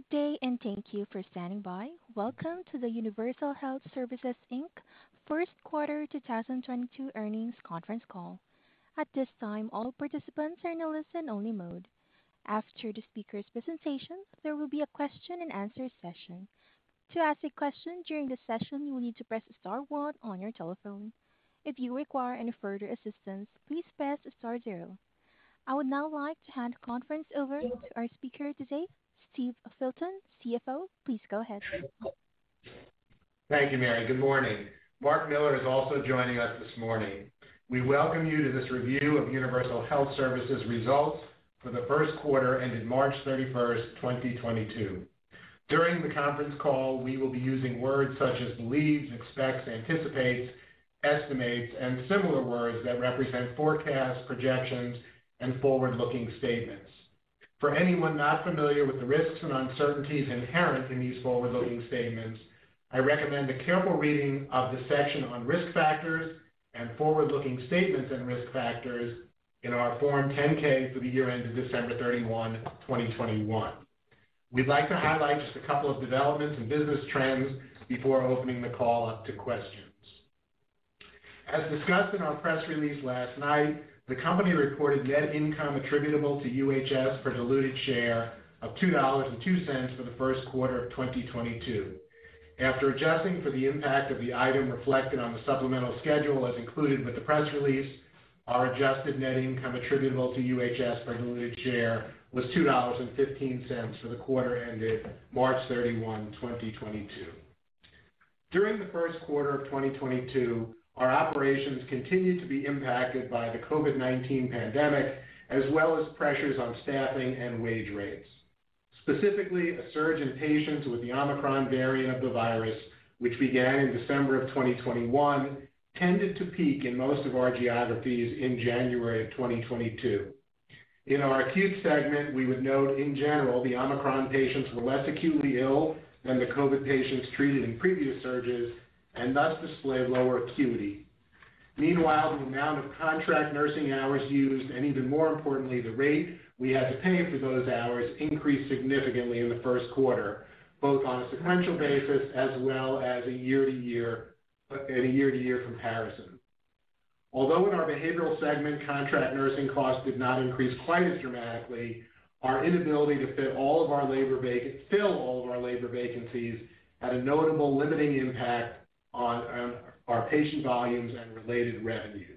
Good day and thank you for standing by. Welcome to the Universal Health Services, Inc. first quarter 2022 earnings conference call. At this time, all participants are in a listen-only mode. After the speaker's presentation, there will be a question and answer session. To ask a question during the session, you will need to press star one on your telephone. If you require any further assistance, please press star zero. I would now like to hand the conference over to our speaker today, Steve Filton, CFO. Please go ahead. Thank you, Mary. Good morning. Marc Miller is also joining us this morning. We welcome you to this review of Universal Health Services results for the first quarter ended March 31, 2022. During the conference call, we will be using words such as believes, expects, anticipates, estimates and similar words that represent forecasts, projections and forward-looking statements. For anyone not familiar with the risks and uncertainties inherent in these forward-looking statements, I recommend a careful reading of the section on risk factors and forward-looking statements and risk factors in our Form 10-K for the year ended December 31, 2021. We'd like to highlight just a couple of developments and business trends before opening the call up to questions. As discussed in our press release last night, the company reported net income attributable to UHS per diluted share of $2.02 for the first quarter of 2022. After adjusting for the impact of the item reflected on the supplemental schedule as included with the press release, our adjusted net income attributable to UHS per diluted share was $2.15 for the quarter ended March 31, 2022. During the first quarter of 2022, our operations continued to be impacted by the COVID-19 pandemic as well as pressures on staffing and wage rates. Specifically, a surge in patients with the Omicron variant of the virus, which began in December of 2021, tended to peak in most of our geographies in January of 2022. In our acute segment, we would note, in general, the Omicron patients were less acutely ill than the COVID patients treated in previous surges and thus displayed lower acuity. Meanwhile, the amount of contract nursing hours used, and even more importantly, the rate we had to pay for those hours increased significantly in the first quarter, both on a sequential basis as well as year-over-year, at a year-over-year comparison. Although in our behavioral segment, contract nursing costs did not increase quite as dramatically, our inability to fill all of our labor vacancies had a notable limiting impact on our patient volumes and related revenues.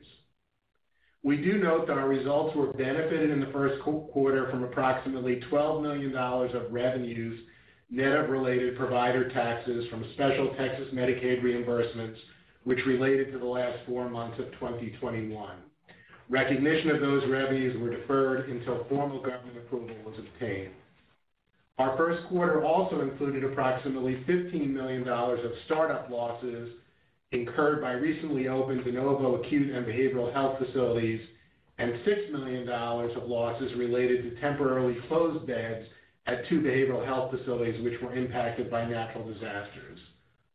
We do note that our results were benefited in the first quarter from approximately $12 million of revenues net of related provider taxes from special Texas Medicaid reimbursements which related to the last four months of 2021. Recognition of those revenues were deferred until formal government approval was obtained. Our first quarter also included approximately $15 million of startup losses incurred by recently opened de novo acute and behavioral health facilities, and $6 million of losses related to temporarily closed beds at two behavioral health facilities which were impacted by natural disasters.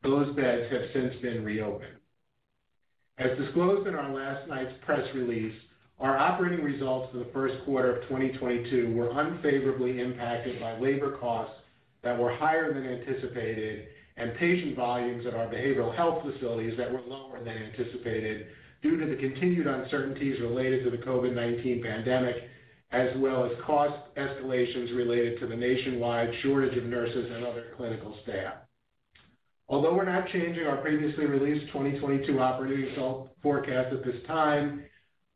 Those beds have since been reopened. As disclosed in our last night's press release, our operating results for the first quarter of 2022 were unfavorably impacted by labor costs that were higher than anticipated and patient volumes at our behavioral health facilities that were lower than anticipated due to the continued uncertainties related to the COVID-19 pandemic, as well as cost escalations related to the nationwide shortage of nurses and other clinical staff. Although we're not changing our previously released 2022 operating result forecast at this time,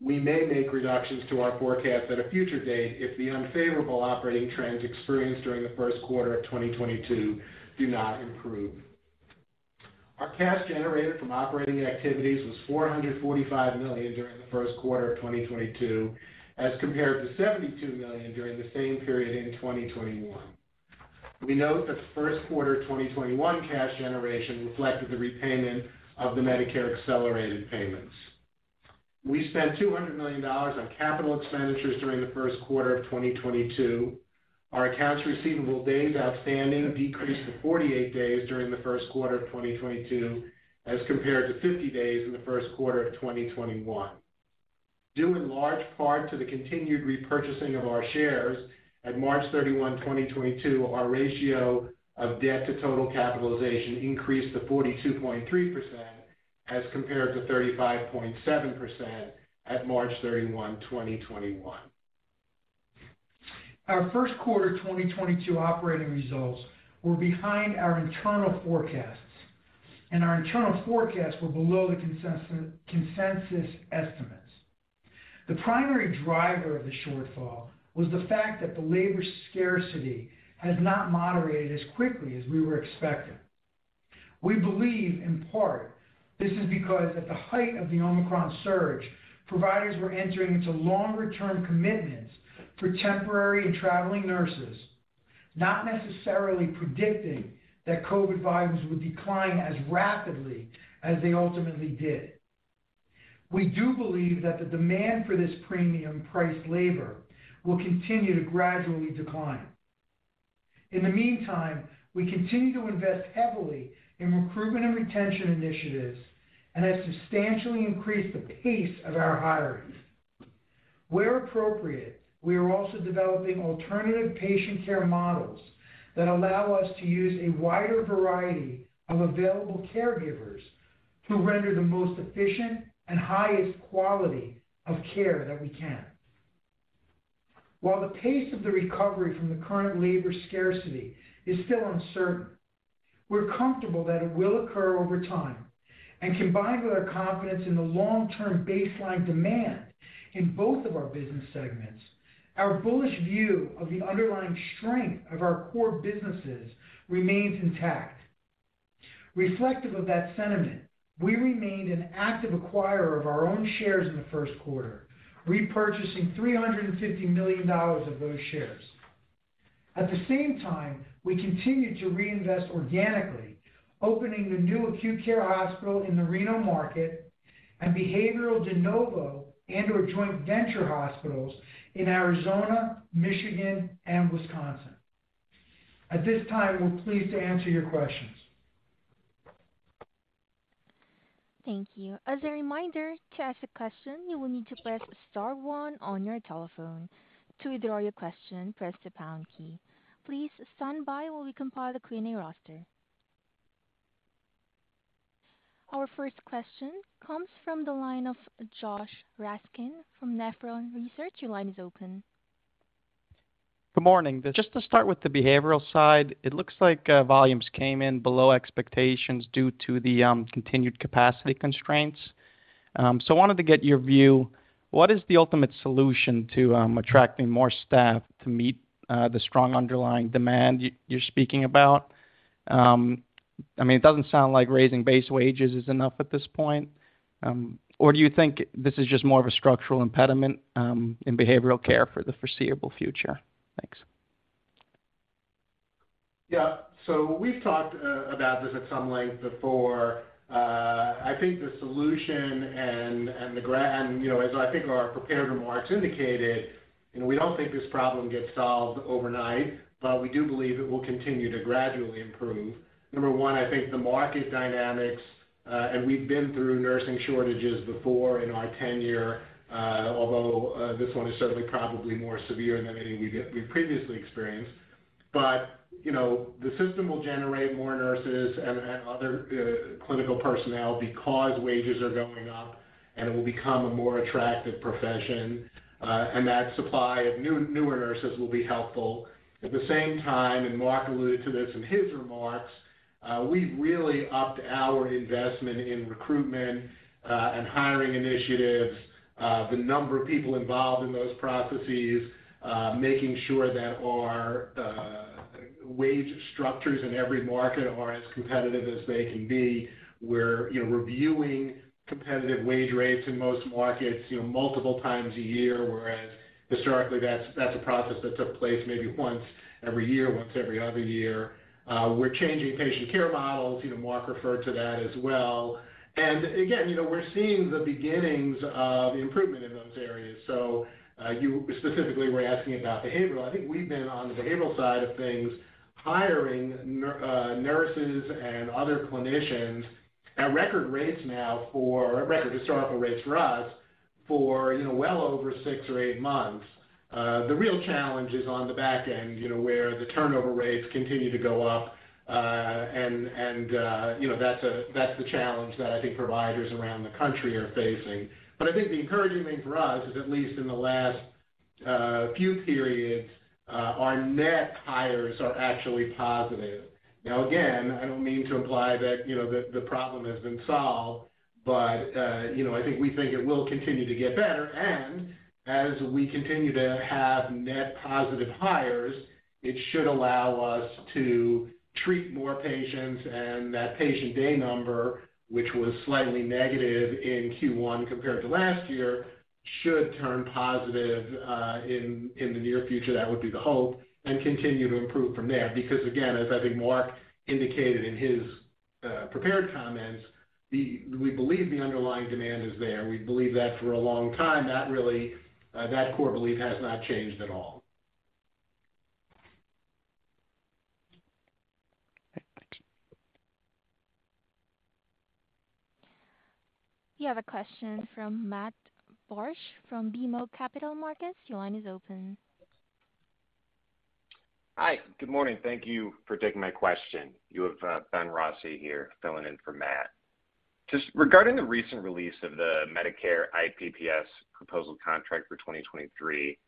we may make reductions to our forecast at a future date if the unfavorable operating trends experienced during the first quarter of 2022 do not improve. Our cash generated from operating activities was $445 million during the first quarter of 2022, as compared to $72 million during the same period in 2021. We note that first quarter 2021 cash generation reflected the repayment of the Medicare accelerated payments. We spent $200 million on capital expenditures during the first quarter of 2022. Our accounts receivable days outstanding decreased to 48 days during the first quarter of 2022, as compared to 50 days in the first quarter of 2021. Due in large part to the continued repurchasing of our shares, at March 31, 2022, our ratio of debt to total capitalization increased to 42.3% as compared to 35.7% at March 31, 2021. Our first quarter 2022 operating results were behind our internal forecasts, and our internal forecasts were below the consensus estimates. The primary driver of the shortfall was the fact that the labor scarcity has not moderated as quickly as we were expecting. We believe, in part, this is because at the height of the Omicron surge, providers were entering into longer-term commitments for temporary. And traveling nurses, not necessarily predicting that COVID volumes would decline as rapidly as they ultimately did. We do believe that the demand for this premium priced labor will continue to gradually decline. In the meantime, we continue to invest heavily in recruitment and retention initiatives and have substantially increased the pace of our hiring. Where appropriate, we are also developing alternative patient care models that allow us to use a wider variety of available caregivers to render the most efficient and highest quality of care that we can. While the pace of the recovery from the current labor scarcity is still uncertain, we're comfortable that it will occur over time. Combined with our confidence in the long-term baseline demand in both of our business segments, our bullish view of the underlying strength of our core businesses remains intact. Reflective of that sentiment, we remained an active acquirer of our own shares in the first quarter, repurchasing $350 million of those shares. At the same time, we continued to reinvest organically, opening the new acute care hospital in the Reno market and behavioral de novo and/or joint venture hospitals in Arizona, Michigan and Wisconsin. At this time, we're pleased to answer your questions. Thank you. As a reminder, to ask a question, you will need to press star one on your telephone. To withdraw your question, press the pound key. Please stand by while we compile the Q&A roster. Our first question comes from the line of Josh Raskin from Nephron Research. Your line is open. Good morning. Just to start with the behavioral side, it looks like volumes came in below expectations due to the continued capacity constraints. So wanted to get your view, what is the ultimate solution to attracting more staff to meet the strong underlying demand you're speaking about? I mean, it doesn't sound like raising base wages is enough at this point. Or do you think this is just more of a structural impediment in behavioral care for the foreseeable future? Thanks. Yeah. We've talked about this at some length before. I think the solution, you know, as I think our prepared remarks indicated, you know, we don't think this problem gets solved overnight, but we do believe it will continue to gradually improve. Number one, I think the market dynamics, and we've been through nursing shortages before in our tenure, although this one is certainly probably more severe than anything we've previously experienced. You know, the system will generate more nurses and other clinical personnel because wages are going up, and it will become a more attractive profession, and that supply of newer nurses will be helpful. At the same time, Marc alluded to this in his remarks. We've really upped our investment in recruitment and hiring initiatives, the number of people involved in those processes, making sure that our wage structures in every market are as competitive as they can be. We're, you know, reviewing competitive wage rates in most markets, you know, multiple times a year, whereas historically that's a process that took place maybe once every year, once every other year. We're changing patient care models. You know, Marc referred to that as well. Again, you know, we're seeing the beginnings of improvement in those areas. You specifically were asking about behavioral. I think we've been on the behavioral side of things, hiring nurses and other clinicians at record historical rates for us, for, you know, well over six or eight months. The real challenge is on the back end, you know, where the turnover rates continue to go up. You know, that's the challenge that I think providers around the country are facing. But I think the encouraging thing for us is, at least in the last few periods, our net hires are actually positive. Now, again, I don't mean to imply that, you know, the problem has been solved, but, you know, I think we think it will continue to get better. As we continue to have net positive hires, it should allow us to treat more patients. That patient day number, which was slightly negative in Q1 compared to last year, should turn positive in the near future. That would be the hope and continue to improve from there. Because again, as I think Marc indicated in his prepared comments, we believe the underlying demand is there. We believe that for a long time, that really that core belief has not changed at all. We have a question from Matt Borsch from BMO Capital Markets. Your line is open. Hi. Good morning. Thank you for taking my question. You have Ben Rossi here filling in for Matt. Just regarding the recent release of the Medicare IPPS proposed rule for 2023,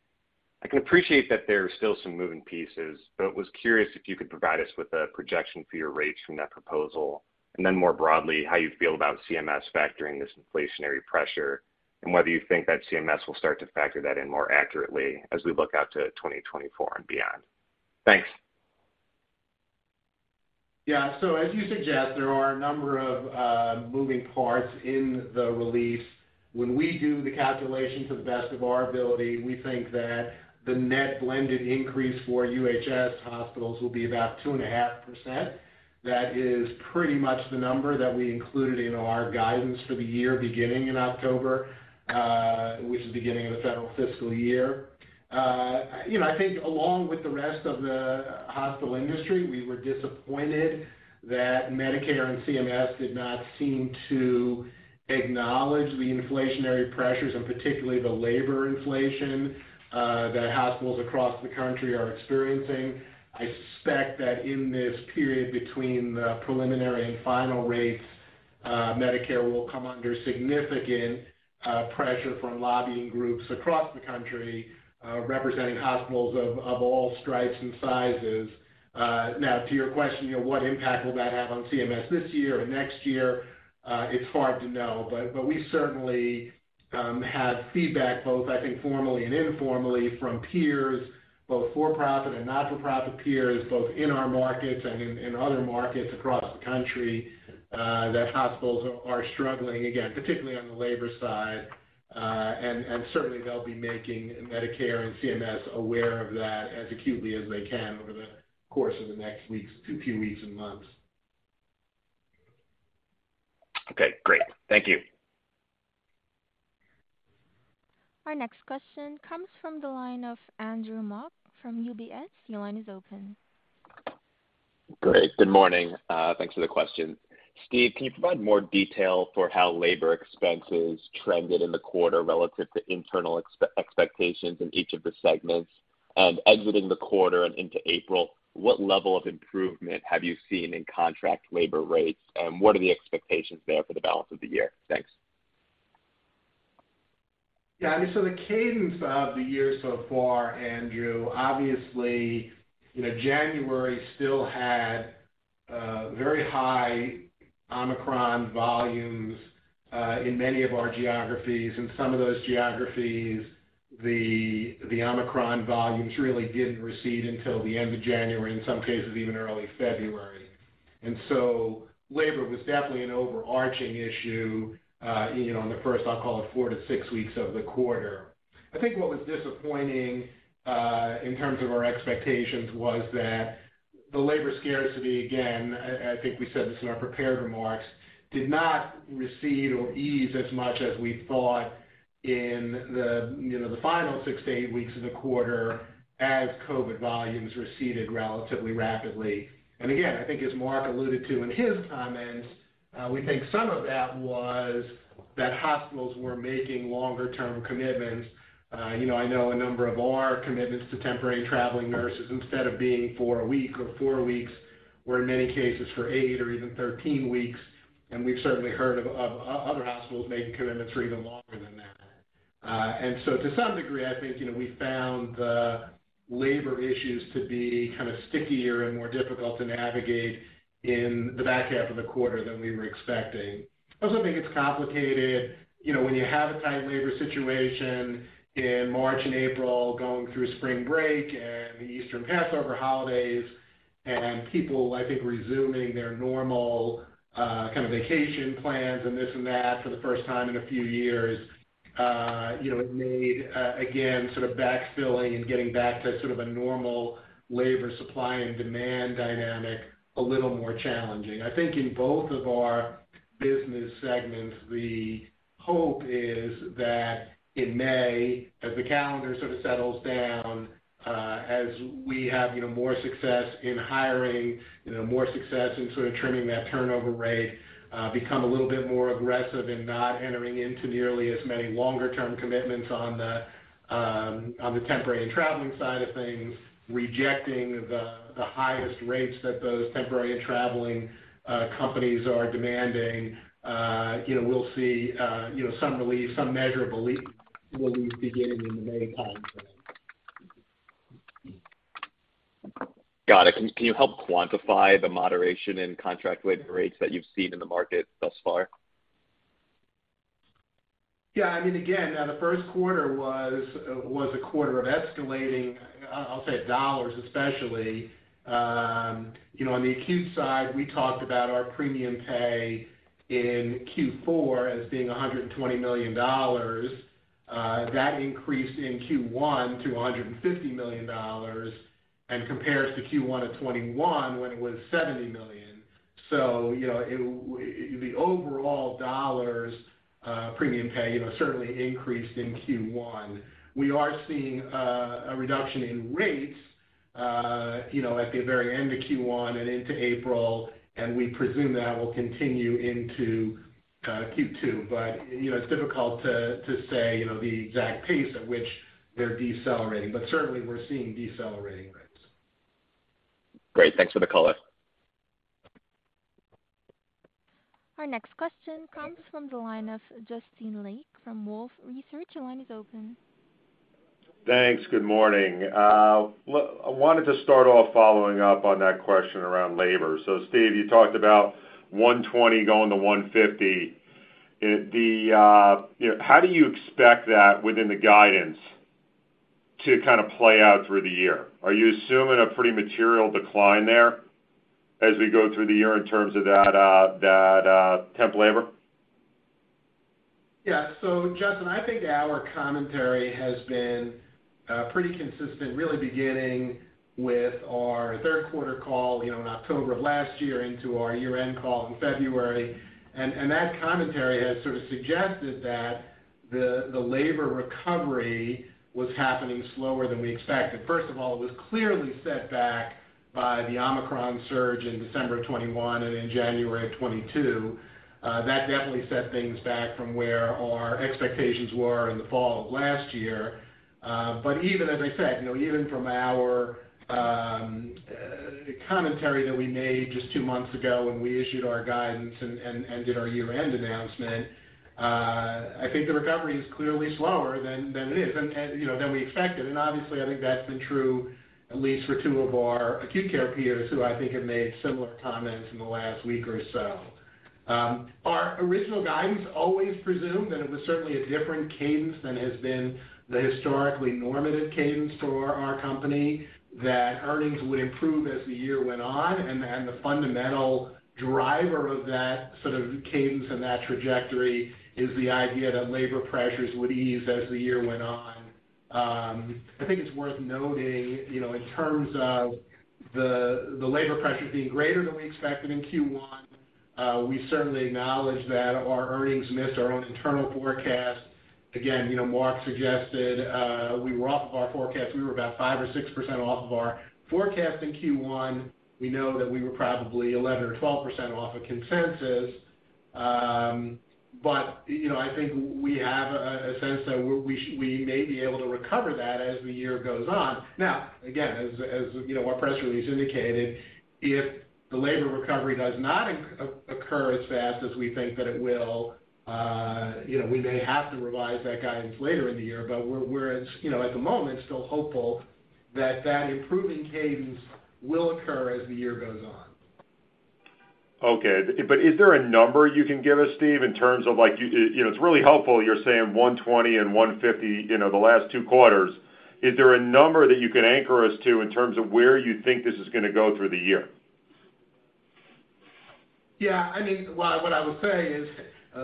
I can appreciate that there are still some moving pieces, but was curious if you could provide us with a projection for your rates from that proposal. More broadly, how you feel about CMS factoring this inflationary pressure and whether you think that CMS will start to factor that in more accurately as we look out to 2024 and beyond. Thanks. Yeah. As you suggest, there are a number of moving parts in the release. When we do the calculation to the best of our ability, we think that the net blended increase for UHS hospitals will be about 2.5%. That is pretty much the number that we included in our guidance for the year beginning in October, which is the beginning of the federal fiscal year. You know, I think along with the rest of the hospital industry, we were disappointed that Medicare and CMS did not seem to acknowledge the inflationary pressures and particularly the labor inflation that hospitals across the country are experiencing. I suspect that in this period between the preliminary and final rates, Medicare will come under significant pressure from lobbying groups across the country representing hospitals of all stripes and sizes. Now, to your question, what impact will that have on CMS this year or next year? It's hard to know. We certainly have feedback both, I think, formally and informally from peers, both for-profit and not-for-profit peers, both in our markets and in other markets across the country, that hospitals are struggling, again, particularly on the labor side. Certainly they'll be making Medicare and CMS aware of that as acutely as they can over the course of the next few weeks and months. Okay. Great. Thank you. Our next question comes from the line of Andrew Mok from UBS. Your line is open. Great. Good morning. Thanks for the question. Steve, can you provide more detail for how labor expenses trended in the quarter relative to internal expectations in each of the segments? Exiting the quarter and into April, what level of improvement have you seen in contract labor rates, and what are the expectations there for the balance of the year? Thanks. Yeah. I mean, so the cadence of the year so far, Andrew, obviously, you know, January still had very high Omicron volumes in many of our geographies. In some of those geographies, the Omicron volumes really didn't recede until the end of January, in some cases, even early February. Labor was definitely an overarching issue, you know, in the first, I'll call it 4-6 weeks of the quarter. I think what was disappointing in terms of our expectations was that the labor scarcity, again, I think we said this in our prepared remarks, did not recede or ease as much as we thought in the, you know, the final 6-8 weeks of the quarter as COVID volumes receded relatively rapidly. Again, I think as Marc alluded to in his comments, we think some of that was that hospitals were making longer term commitments. You know, I know a number of our commitments to temporary traveling nurses, instead of being for a week or four weeks, were in many cases for eight or even 13 weeks, and we've certainly heard of other hospitals making commitments for even longer than that. To some degree, I think, you know, we found the labor issues to be kind of stickier and more difficult to navigate in the back half of the quarter than we were expecting. I also think it's complicated, you know, when you have a tight labor situation in March and April, going through spring break and the Easter and Passover holidays, and people, I think, resuming their normal, kind of vacation plans and this and that for the first time in a few years, you know, it made, again, sort of backfilling and getting back to sort of a normal labor supply and demand dynamic a little more challenging. I think in both of our business segments, the hope is that in May, as the calendar sort of settles down, as we have, you know, more success in hiring, you know, more success in sort of trimming that turnover rate, become a little bit more aggressive in not entering into nearly as many longer term commitments on the temporary and traveling side of things, rejecting the highest rates that those temporary and traveling companies are demanding, you know, we'll see, you know, some relief, some measurable relief beginning in the May timeframe. Got it. Can you help quantify the moderation in contract labor rates that you've seen in the market thus far? Yeah. I mean, again, the first quarter was a quarter of escalating, I'll say dollars especially. You know, on the acute side, we talked about our premium pay in Q4 as being $120 million. That increased in Q1 to $150 million and compares to Q1 of 2021, when it was $70 million. You know, it the overall dollars, premium pay, you know, certainly increased in Q1. We are seeing a reduction in rates, you know, at the very end of Q1 and into April, and we presume that will continue into Q2. You know, it's difficult to say, you know, the exact pace at which they're decelerating, but certainly we're seeing decelerating rates. Great. Thanks for the color. Our next question comes from the line of Justin Lake from Wolfe Research. Your line is open. Thanks. Good morning. Look, I wanted to start off following up on that question around labor. Steve, you talked about $120 going to $150. How do you expect that within the guidance to kind of play out through the year? Are you assuming a pretty material decline there as we go through the year in terms of that temp labor? Yeah. Justin, I think our commentary has been pretty consistent, really beginning with our third quarter call, you know, in October of last year into our year-end call in February. That commentary has sort of suggested that the labor recovery was happening slower than we expected. First of all, it was clearly set back by the Omicron surge in December of 2021 and in January of 2022. That definitely set things back from where our expectations were in the fall of last year. Even as I said, you know, even from our commentary that we made just two months ago when we issued our guidance and did our year-end announcement, I think the recovery is clearly slower than it is and, you know, than we expected. Obviously, I think that's been true, at least for two of our acute care peers who I think have made similar comments in the last week or so. Our original guidance always presumed that it was certainly a different cadence than has been the historically normative cadence for our company, that earnings would improve as the year went on, and the fundamental driver of that sort of cadence and that trajectory is the idea that labor pressures would ease as the year went on. I think it's worth noting, you know, in terms of the labor pressures being greater than we expected in Q1, we certainly acknowledge that our earnings missed our own internal forecast. Again, you know, Marc suggested we were off of our forecast. We were about 5% or 6% off of our forecast in Q1. We know that we were probably 11% or 12% off of consensus. You know, I think we have a sense that we may be able to recover that as the year goes on. Again, as you know, our press release indicated, if the labor recovery does not occur as fast as we think that it will, you know, we may have to revise that guidance later in the year. We're at the moment, you know, still hopeful that that improving cadence will occur as the year goes on. Okay. Is there a number you can give us, Steve, in terms of like, you know, it's really helpful you're saying 120 and 150, you know, the last two quarters. Is there a number that you could anchor us to in terms of where you think this is gonna go through the year? Yeah, I mean, what I would say is,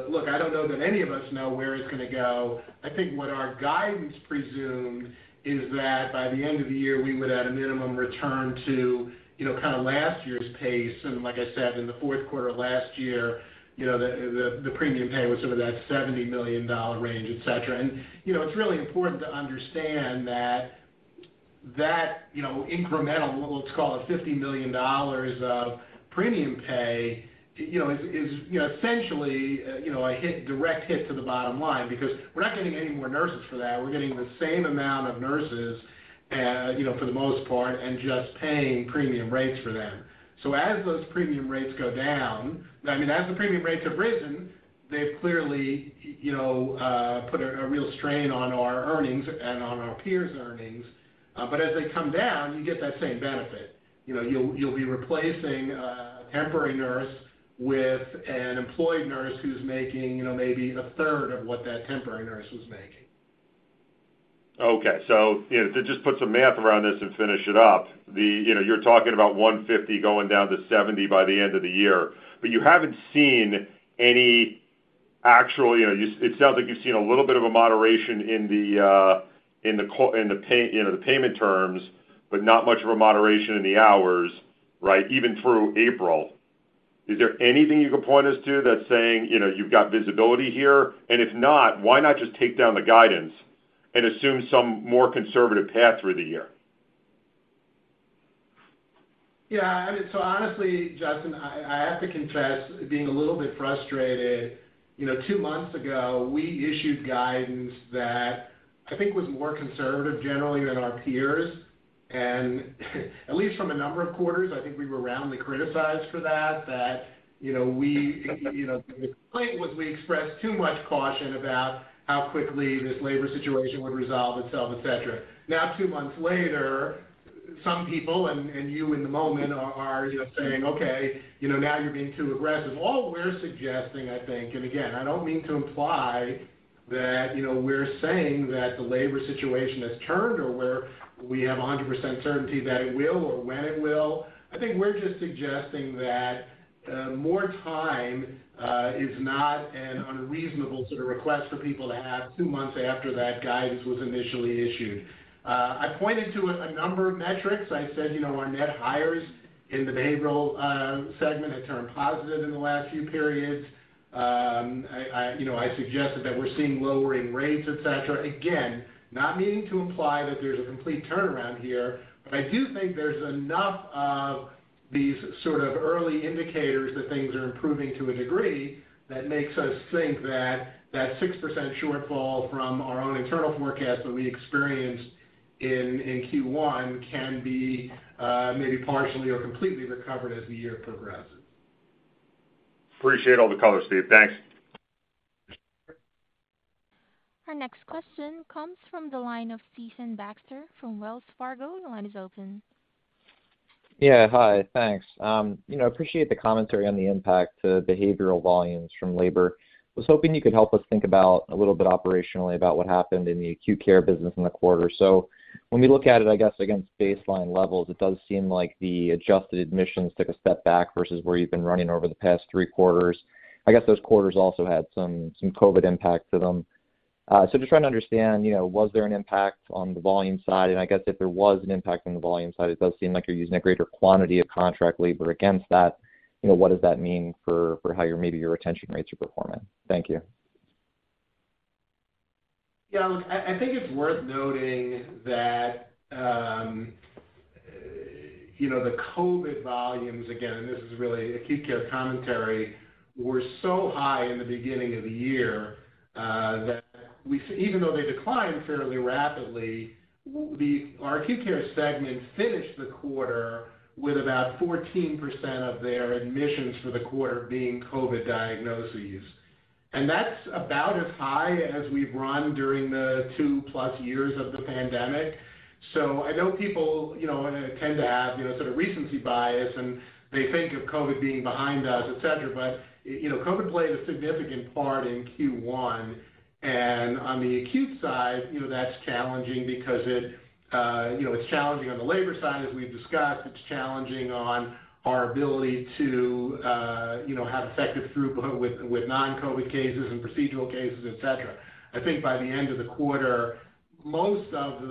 look, I don't know that any of us know where it's gonna go. I think what our guidance presumed is that by the end of the year, we would, at a minimum, return to, you know, kind of last year's pace. Like I said, in the fourth quarter of last year, you know, the premium pay was sort of that $70 million range, et cetera. It's really important to understand that that, you know, incremental, let's call it $50 million of premium pay, you know, is essentially, you know, a hit, direct hit to the bottom line because we're not getting any more nurses for that. We're getting the same amount of nurses, you know, for the most part and just paying premium rates for them. As those premium rates go down, I mean, as the premium rates have risen, they've clearly, you know, put a real strain on our earnings and on our peers' earnings. As they come down, you get that same benefit. You know, you'll be replacing a temporary nurse with an employed nurse who's making, you know, maybe a third of what that temporary nurse was making. Okay. You know, to just put some math around this and finish it up, you know, you're talking about 150 going down to 70 by the end of the year, but you haven't seen any actual, you know, it sounds like you've seen a little bit of a moderation in the pay, you know, the payment terms, but not much of a moderation in the hours, right, even through April. Is there anything you can point us to that's saying, you know, you've got visibility here? If not, why not just take down the guidance and assume some more conservative path through the year? Yeah, I mean, honestly, Justin, I have to confess being a little bit frustrated. You know, two months ago, we issued guidance that I think was more conservative generally than our peers. At least from a number of quarters, I think we were roundly criticized for that, you know, we, you know, the complaint was we expressed too much caution about how quickly this labor situation would resolve itself, et cetera. Now, two months later, some people, and you in the moment are, you know, saying, "Okay, you know, now you're being too aggressive." All we're suggesting, I think, and again, I don't mean to imply that, you know, we're saying that the labor situation has turned or we're. We have 100% certainty that it will or when it will. I think we're just suggesting that more time is not an unreasonable sort of request for people to have two months after that guidance was initially issued. I pointed to a number of metrics. I said, you know, our net hires in the behavioral segment had turned positive in the last few periods. You know, I suggested that we're seeing lowering rates, et cetera. Again, not meaning to imply that there's a complete turnaround here, but I do think there's enough of these sort of early indicators that things are improving to a degree that makes us think that that 6% shortfall from our own internal forecast that we experienced in Q1 can be maybe partially or completely recovered as the year progresses. Appreciate all the color, Steve. Thanks. Our next question comes from the line of Stephen Baxter from Wells Fargo. The line is open. Yeah, hi. Thanks. You know, appreciate the commentary on the impact to behavioral volumes from labor. I was hoping you could help us think about a little bit operationally about what happened in the acute care business in the quarter. When we look at it, I guess, against baseline levels, it does seem like the adjusted admissions took a step back versus where you've been running over the past three quarters. I guess those quarters also had some COVID impact to them. Just trying to understand, you know, was there an impact on the volume side? And I guess if there was an impact on the volume side, it does seem like you're using a greater quantity of contract labor against that. You know, what does that mean for how your maybe retention rates are performing? Thank you. Yeah, look, I think it's worth noting that you know, the COVID volumes, again, and this is really acute care commentary, were so high in the beginning of the year that even though they declined fairly rapidly, our acute care segment finished the quarter with about 14% of their admissions for the quarter being COVID diagnoses. That's about as high as we've run during the two-plus years of the pandemic. I know people you know tend to have you know sort of recency bias, and they think of COVID being behind us, et cetera. You know, COVID played a significant part in Q1. On the acute side, you know, that's challenging because it you know, it's challenging on the labor side, as we've discussed. It's challenging on our ability to, you know, have effective throughput with non-COVID cases and procedural cases, et cetera. I think by the end of the quarter, most of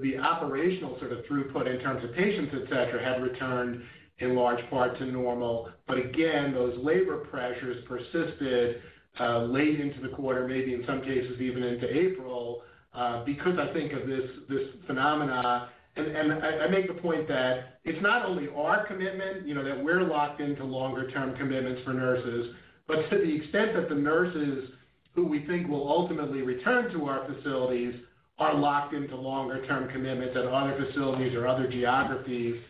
the operational sort of throughput in terms of patients, et cetera, had returned in large part to normal. Again, those labor pressures persisted late into the quarter, maybe in some cases even into April, because I think of this phenomena. I make the point that it's not only our commitment, you know, that we're locked into longer term commitments for nurses, but to the extent that the nurses who we think will ultimately return to our facilities are locked into longer term commitments at other facilities or other geographies.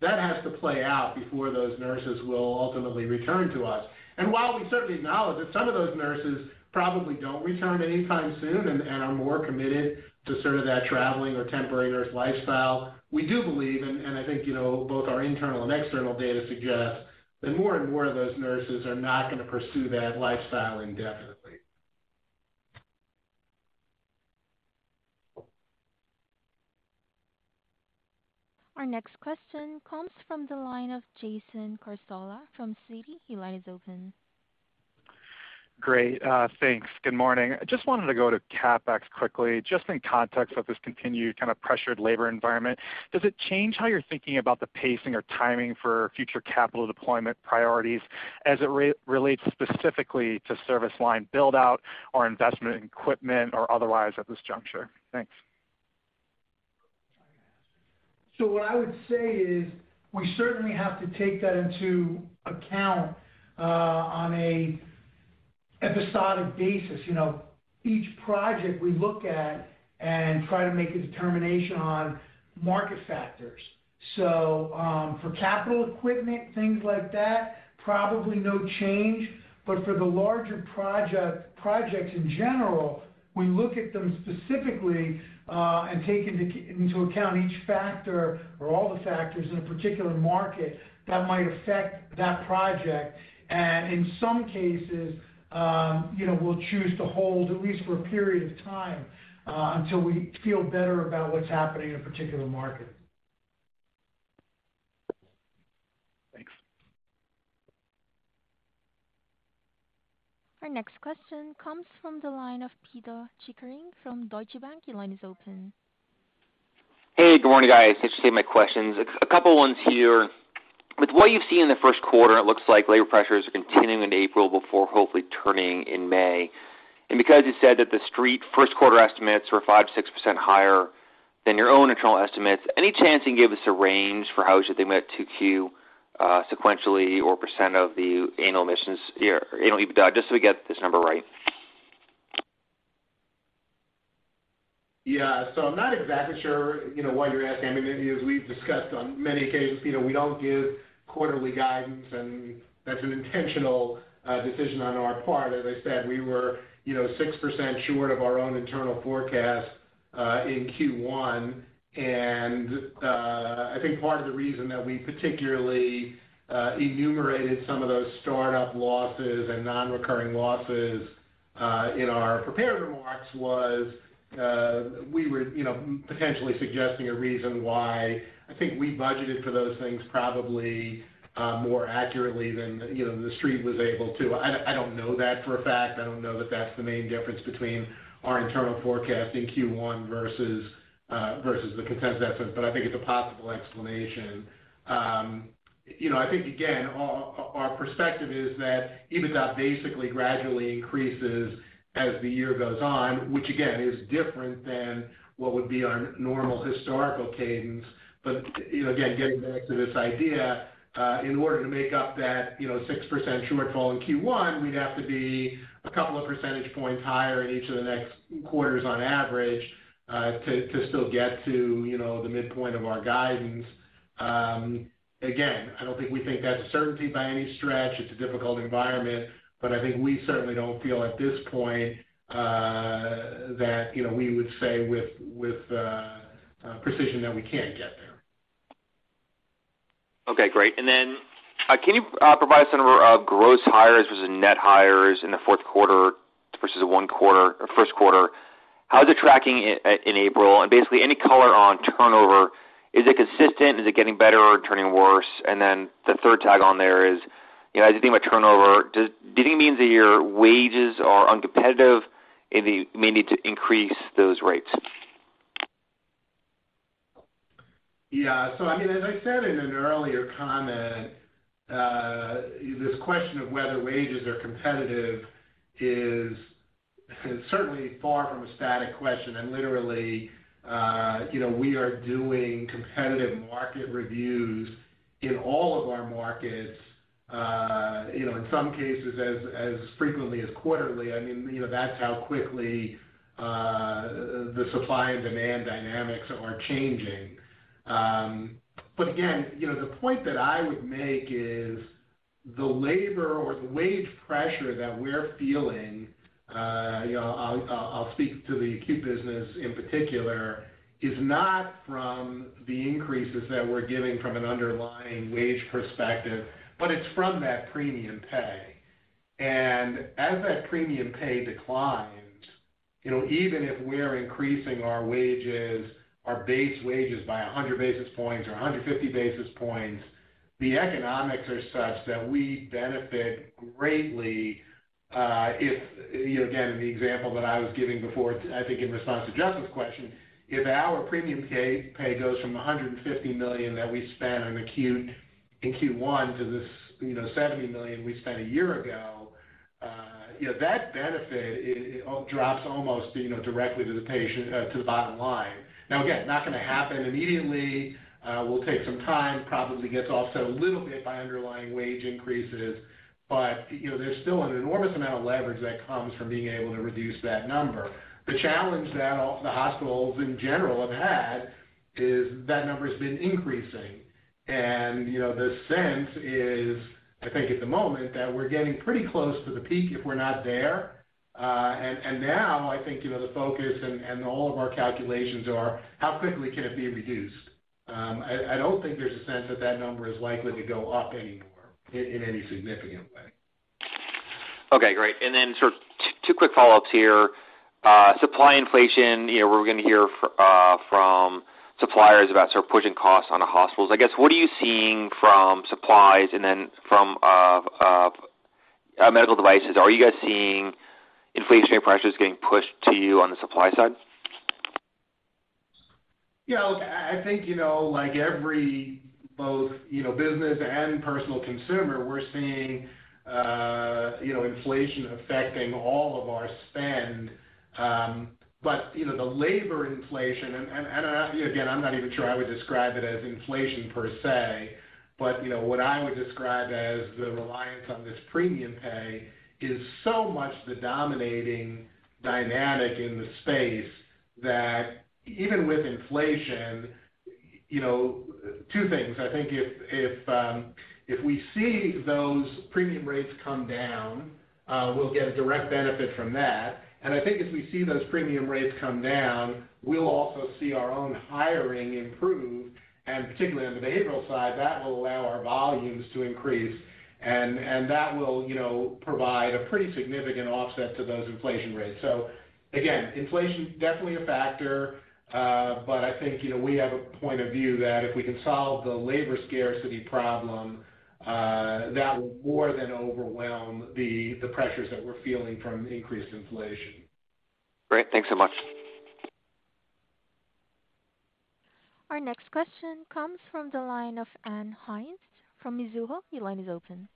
That has to play out before those nurses will ultimately return to us. While we certainly acknowledge that some of those nurses probably don't return anytime soon and are more committed to sort of that traveling or temporary nurse lifestyle, we do believe and I think, you know, both our internal and external data suggests that more and more of those nurses are not gonna pursue that lifestyle indefinitely. Our next question comes from the line of Jason Cassorla from Citi. Your line is open. Great. Thanks. Good morning. I just wanted to go to CapEx quickly, just in context of this continued kind of pressured labor environment. Does it change how you're thinking about the pacing or timing for future capital deployment priorities as it relates specifically to service line build out or investment in equipment or otherwise at this juncture? Thanks. What I would say is we certainly have to take that into account on a episodic basis. You know, each project we look at and try to make a determination on market factors. For capital equipment, things like that, probably no change. For the larger project, projects in general, we look at them specifically and take into account each factor or all the factors in a particular market that might affect that project. In some cases, you know, we'll choose to hold at least for a period of time until we feel better about what's happening in a particular market. Thanks. Our next question comes from the line of Pito Chickering from Deutsche Bank. Your line is open. Hey, good morning, guys. Thanks for taking my questions. A couple ones here. With what you've seen in the first quarter, it looks like labor pressures are continuing in April before hopefully turning in May. Because you said that the street first quarter estimates were 5%-6% higher than your own internal estimates, any chance you can give us a range for how you're thinking about 2Q sequentially or percent of the annual admissions here, annual EBITDA, just so we get this number right. Yeah. I'm not exactly sure, you know, why you're asking me. As we've discussed on many occasions, you know, we don't give quarterly guidance, and that's an intentional decision on our part. As I said, we were, you know, 6% short of our own internal forecast in Q1. I think part of the reason that we particularly enumerated some of those startup losses and non-recurring losses in our prepared remarks was we were, you know, potentially suggesting a reason why I think we budgeted for those things probably more accurately than, you know, the street was able to. I don't know that for a fact. I don't know that that's the main difference between our internal forecast in Q1 versus the consensus estimates, but I think it's a possible explanation. You know, I think again, our perspective is that EBITDA basically gradually increases as the year goes on, which again, is different than what would be our normal historical cadence. You know, again, getting back to this idea, in order to make up that, you know, 6% shortfall in Q1, we'd have to be a couple of percentage points higher in each of the next quarters on average, to still get to, you know, the midpoint of our guidance. Again, I don't think we think that's a certainty by any stretch. It's a difficult environment, but I think we certainly don't feel at this point, that, you know, we would say with, precision that we can't get there. Okay, great. Can you provide us a number of gross hires versus net hires in the fourth quarter versus the one quarter or first quarter? How's it tracking in April? Basically any color on turnover, is it consistent? Is it getting better or turning worse? The third tag on there is, you know, as you think about turnover, did it mean that your wages are uncompetitive and you may need to increase those rates? Yeah. I mean, as I said in an earlier comment, this question of whether wages are competitive is certainly far from a static question. Literally, you know, we are doing competitive market reviews in all of our markets, you know, in some cases as frequently as quarterly. I mean, you know, that's how quickly the supply and demand dynamics are changing. Again, you know, the point that I would make is the labor or the wage pressure that we're feeling, you know, I'll speak to the acute business in particular, is not from the increases that we're giving from an underlying wage perspective, but it's from that premium pay. As that premium pay declines, you know, even if we're increasing our wages, our base wages by 100 basis points or 150 basis points, the economics are such that we benefit greatly, if, you know, again, the example that I was giving before, I think in response to Justin's question, if our premium pay goes from the $150 million that we spent on acute in Q1 to this, you know, $70 million we spent a year ago, you know, that benefit drops almost, you know, directly to the P&L, to the bottom line. Now, again, not going to happen immediately. We'll take some time. Probably gets offset a little bit by underlying wage increases. You know, there's still an enormous amount of leverage that comes from being able to reduce that number. The challenge that all the hospitals in general have had is that number has been increasing. You know, the sense is, I think at the moment that we're getting pretty close to the peak, if we're not there. Now I think, you know, the focus and all of our calculations are how quickly can it be reduced. I don't think there's a sense that that number is likely to go up anymore in any significant way. Okay, great. Sort of two quick follow-ups here. Supply inflation. You know, we're going to hear from suppliers about sort of pushing costs onto hospitals. I guess, what are you seeing from supplies and then from medical devices? Are you guys seeing inflationary pressures getting pushed to you on the supply side? Yeah, look, I think, you know, like every both, you know, business and personal consumer, we're seeing, you know, inflation affecting all of our spend. The labor inflation and, again, I'm not even sure I would describe it as inflation per se, but, you know, what I would describe as the reliance on this premium pay is so much the dominating dynamic in the space that even with inflation, you know, two things. I think if we see those premium rates come down, we'll get a direct benefit from that. I think if we see those premium rates come down, we'll also see our own hiring improve, and particularly on the behavioral side, that will allow our volumes to increase. That will, you know, provide a pretty significant offset to those inflation rates. Again, inflation is definitely a factor. I think, you know, we have a point of view that if we can solve the labor scarcity problem, that will more than overwhelm the pressures that we're feeling from increased inflation. Great. Thanks so much. Our next question comes from the line of Ann Hynes from Mizuho. Your line is open.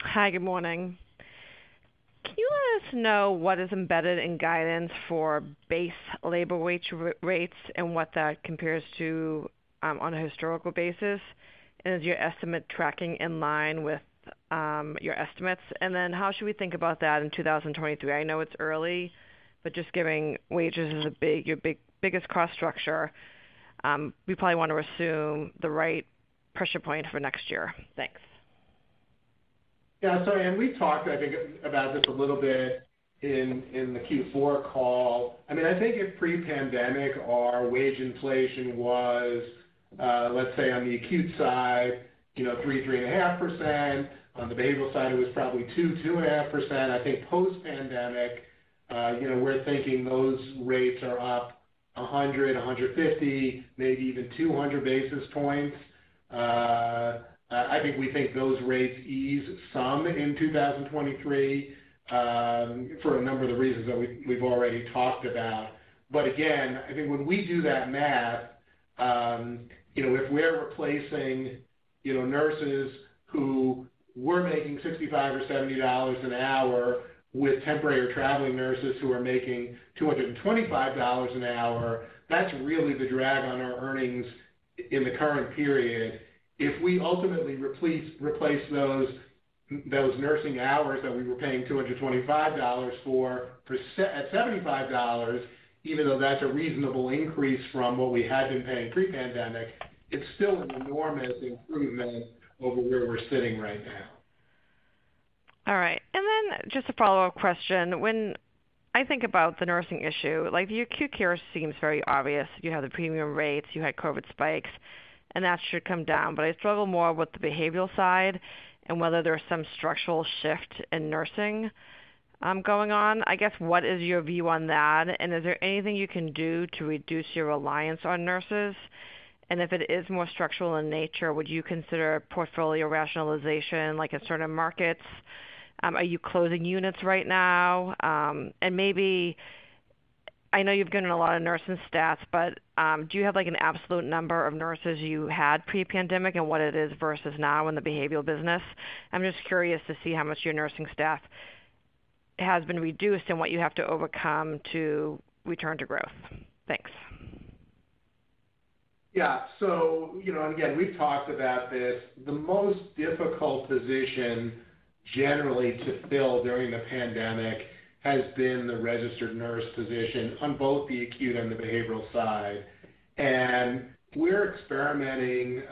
Hi. Good morning. Can you let us know what is embedded in guidance for base labor wage rates and what that compares to on a historical basis? Is your estimate tracking in line with your estimates? How should we think about that in 2023? I know it's early, but, given wages is your biggest cost structure. We probably want to assume the right pressure point for next year. Thanks. We talked, I think, about this a little bit in the Q4 call. I mean, I think if pre-pandemic our wage inflation was, let's say on the acute side, 3.5%. On the behavioral side, it was probably 2.5%. I think post-pandemic, we're thinking those rates are up 100-150, maybe even 200 basis points. I think we think those rates ease some in 2023, for a number of the reasons that we've already talked about. Again, I think when we do that math, if we're replacing nurses who were making $65 or $70 an hour with temporary or traveling nurses who are making $225 an hour, that's really the drag on our earnings in the current period. If we ultimately replace those nursing hours that we were paying $225 for per se at $75, even though that's a reasonable increase from what we had been paying pre-pandemic, it's still an enormous improvement over where we're sitting right now. All right. Just a follow-up question. When I think about the nursing issue, like, the acute care seems very obvious. You have the premium rates, you had COVID spikes, and that should come down. I struggle more with the behavioral side and whether there's some structural shift in nursing going on. I guess, what is your view on that? Is there anything you can do to reduce your reliance on nurses? If it is more structural in nature, would you consider portfolio rationalization, like in certain markets? Are you closing units right now? Maybe I know you've given a lot of nursing stats, but do you have, like, an absolute number of nurses you had pre-pandemic and what it is versus now in the behavioral business? I'm just curious to see how much your nursing staff has been reduced and what you have to overcome to return to growth. Thanks. Yeah. You know, and again, we've talked about this. The most difficult position generally to fill during the pandemic has been the registered nurse position on both the acute and the behavioral side. We're experimenting,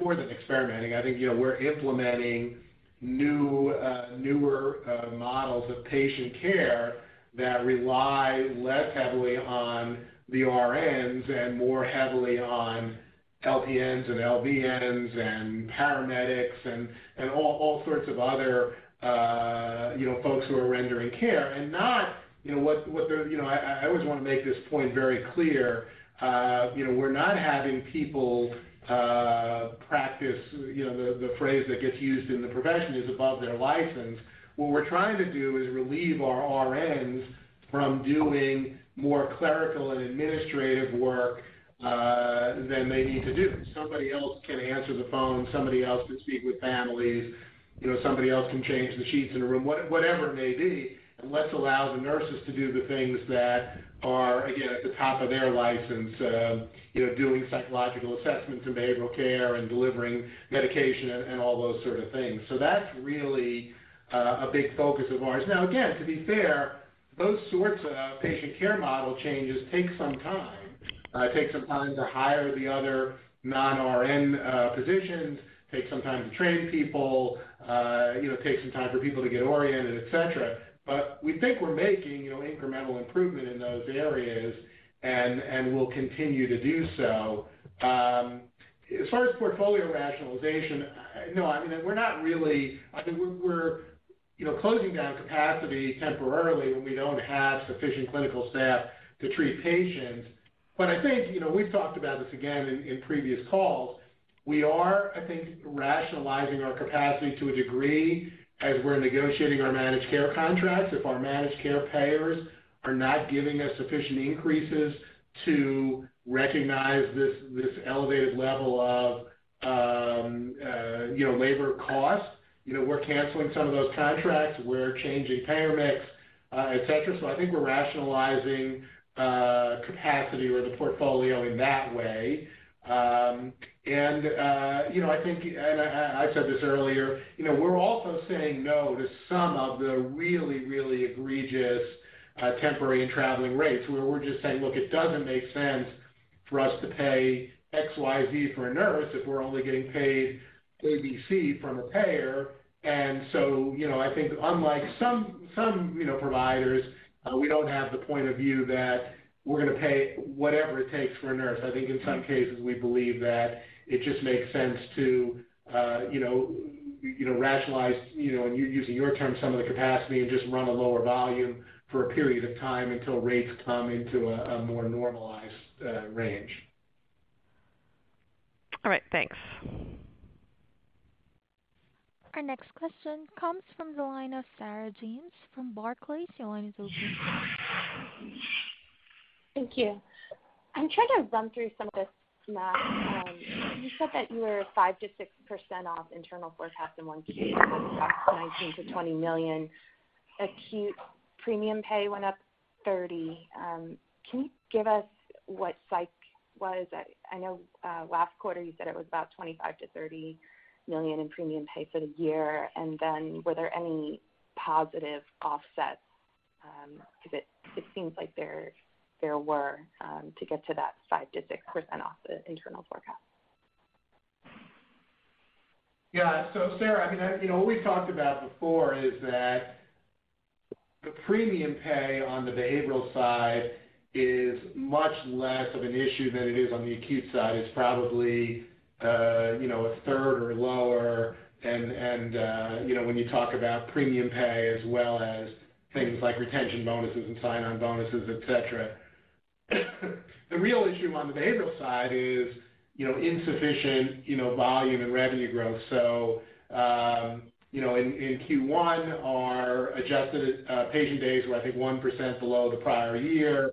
more than experimenting, I think, you know, we're implementing new, newer, models of patient care that rely less heavily on the RNs and more heavily on LPNs and LVNs and paramedics. And all sorts of other, you know, folks who are rendering care and not what they're, you know, I always wanna make this point very clear. You know, we're not having people practice the phrase that gets used in the profession is above their license. What we're trying to do is relieve our RNs from doing more clerical and administrative work than they need to do. Somebody else can answer the phone, somebody else can speak with families, somebody else can change the sheets in a room, whatever it may be. Let's allow the nurses to do the things that are, again, at the top of their license, doing psychological assessments and behavioral care and delivering medication and all those sort of things. That's really a big focus of ours. Now, again, to be fair, those sorts of patient care model changes take some time. It takes some time to hire the other non-RN physicians, takes some time to train people, takes some time for people to get oriented, et cetera. We think we're making incremental improvement in those areas and we'll continue to do so. As far as portfolio rationalization, no, I mean, we're not really. I mean, we're you know, closing down capacity temporarily when we don't have sufficient clinical staff to treat patients. I think, you know, we've talked about this again in previous calls. We are, I think, rationalizing our capacity to a degree as we're negotiating our managed care contracts. If our managed care payers are not giving us sufficient increases to recognize this elevated level of you know, labor cost, you know, we're canceling some of those contracts, we're changing payer mix, et cetera. I think we're rationalizing capacity or the portfolio in that way. You know, I think I've said this earlier, you know, we're also saying no to some of the really egregious temporary and traveling rates, where we're just saying, "Look, it doesn't make sense for us to pay XYZ for a nurse if we're only getting paid ABC from a payer." You know, I think unlike some providers, we don't have the point of view that we're gonna pay whatever it takes for a nurse. I think in some cases, we believe that it just makes sense to rationalize, using your terms, some of the capacity and just run a lower volume for a period of time until rates come into a more normalized range. All right. Thanks. Our next question comes from the line of Sarah James from Barclays. Your line is open. Thank you. I'm trying to run through some of the math. You said that you were 5%-6% off internal forecast in 1Q, so that's $19 million-$20 million. Acute premium pay went up $30 million. Can you give us what psych was? I know last quarter you said it was about $25 million-$30 million in premium pay for the year. Were there any positive offsets? It seems like there were to get to that 5%-6% off the internal forecast. Yeah. Sarah, I mean, you know, what we talked about before is that the premium pay on the behavioral side is much less of an issue than it is on the acute side. It's probably, you know, a third or lower and, you know, when you talk about premium pay as well as things like retention bonuses and sign-on bonuses, et cetera. The real issue on the behavioral side is, you know, insufficient, you know, volume and revenue growth. You know, in Q1, our adjusted patient days were, I think, 1% below the prior year.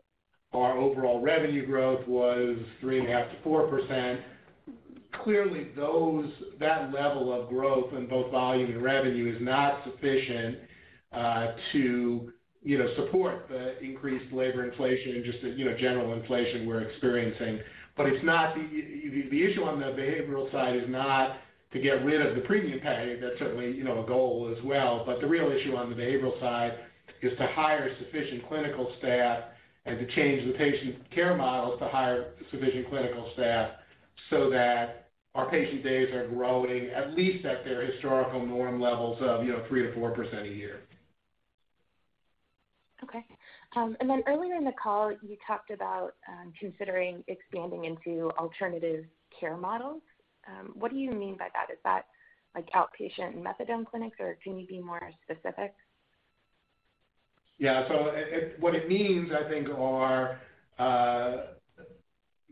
Our overall revenue growth was 3.5%-4%. Clearly, that level of growth in both volume and revenue is not sufficient to, you know, support the increased labor inflation and just the, you know, general inflation we're experiencing. The issue on the behavioral side is not to get rid of the premium pay. That's certainly, you know, a goal as well. The real issue on the behavioral side is to hire sufficient clinical staff and to change the patient care models to hire sufficient clinical staff so that our patient days are growing at least at their historical norm levels of, you know, 3%-4% a year. Okay. Earlier in the call, you talked about considering expanding into alternative care models. What do you mean by that? Is that like outpatient methadone clinics, or can you be more specific? What it means, I think, are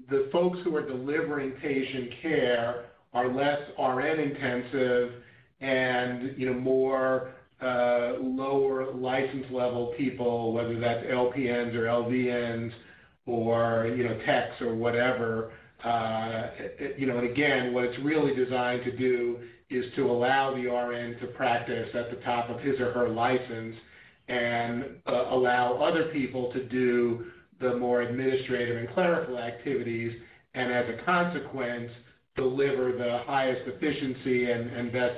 the folks who are delivering patient care are less RN intensive and, you know, more lower license level people, whether that's LPNs or LVNs or, you know, techs or whatever. You know, again, what it's really designed to do is to allow the RN to practice at the top of his or her license and allow other people to do the more administrative and clerical activities, and as a consequence, deliver the highest efficiency and best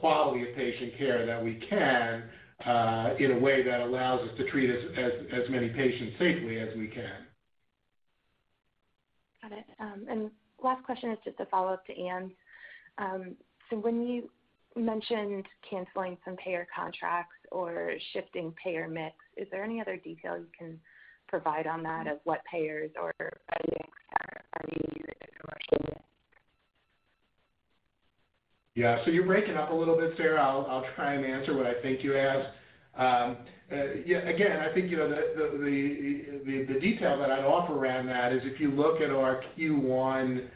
quality of patient care that we can, in a way that allows us to treat as many patients safely as we can. Got it. Last question is just a follow-up to Anne. When you mentioned canceling some payer contracts or shifting payer mix, is there any other detail you can provide on that, of what payers or mix are you using commercially? Yeah. You're breaking up a little bit, Sarah. I'll try and answer what I think you asked. Yeah, again, I think you know, the detail that I'd offer around that is if you look at our Q1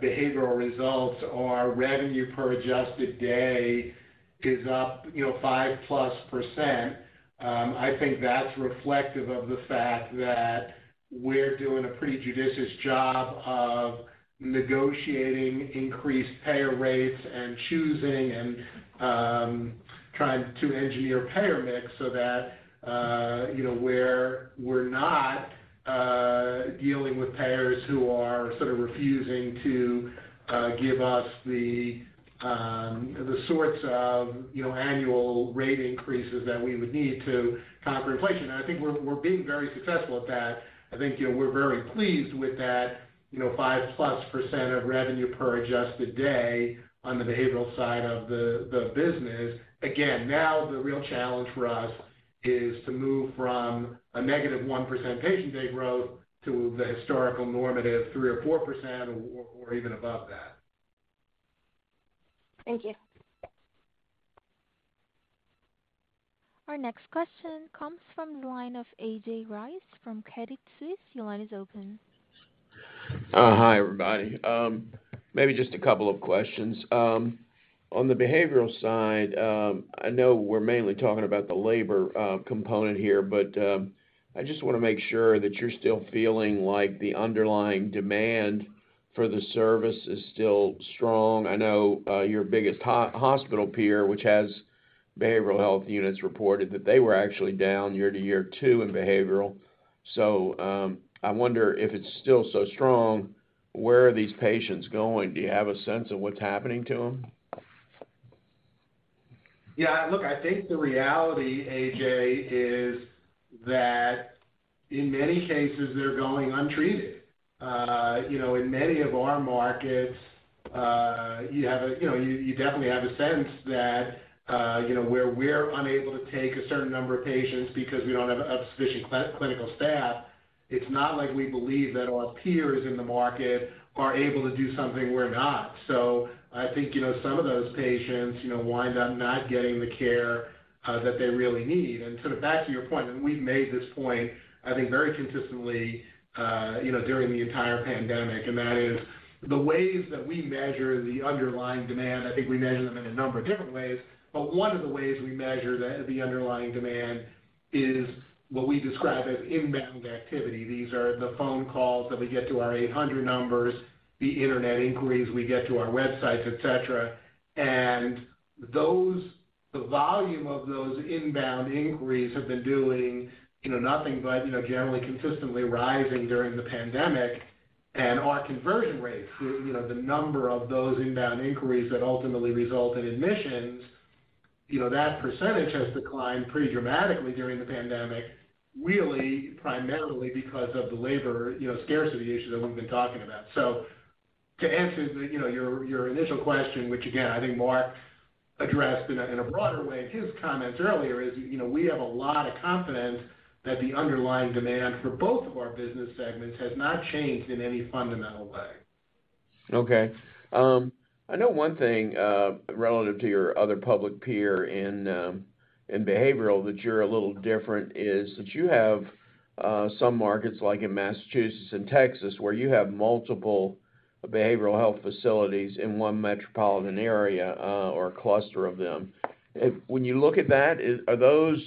behavioral results, our revenue per adjusted day is up you know, 5%+. I think that's reflective of the fact that we're doing a pretty judicious job of negotiating increased payer rates and choosing and trying to engineer payer mix so that you know, we're not dealing with payers who are sort of refusing to give us the sorts of you know, annual rate increases that we would need to counter inflation. I think we're being very successful at that. I think, you know, we're very pleased with that, you know, 5%+ of revenue per adjusted day on the behavioral side of the business. Again, now the real challenge for us is to move from a -1% patient day growth to the historical normative 3% or 4% or even above that. Thank you. Our next question comes from the line of A.J. Rice from Credit Suisse. Your line is open. Hi, everybody. Maybe just a couple of questions. On the behavioral side, I know we're mainly talking about the labor component here, but I just wanna make sure that you're still feeling like the underlying demand for the service is still strong. I know your biggest hospital peer, which has behavioral health units reported that they were actually down year-to-year too in behavioral. I wonder if it's still so strong, where are these patients going? Do you have a sense of what's happening to them? Yeah, look, I think the reality, A.J., is that in many cases they're going untreated. You know, in many of our markets, you definitely have a sense that, you know, where we're unable to take a certain number of patients because we don't have a sufficient clinical staff, it's not like we believe that our peers in the market are able to do something we're not. I think, you know, some of those patients, you know, wind up not getting the care that they really need. Sort of back to your point, and we've made this point, I think, very consistently, you know, during the entire pandemic, and that is the ways that we measure the underlying demand. I think we measure them in a number of different ways, but one of the ways we measure the underlying demand is what we describe as inbound activity. These are the phone calls that we get to our 800 numbers, the internet inquiries we get to our websites, et cetera. Those, the volume of those inbound inquiries have been doing, you know, nothing but, you know, generally consistently rising during the pandemic. Our conversion rates, you know, the number of those inbound inquiries that ultimately result in admissions, you know, that percentage has declined pretty dramatically during the pandemic, really primarily because of the labor, you know, scarcity issue that we've been talking about. To answer the you know, your initial question, which again, I think Marc addressed in a broader way in his comments earlier, is, you know, we have a lot of confidence that the underlying demand for both of our business segments has not changed in any fundamental way. Okay. I know one thing, relative to your other public peer in behavioral that you're a little different is that you have some markets like in Massachusetts and Texas, where you have multiple behavioral health facilities in one metropolitan area, or a cluster of them. When you look at that, are those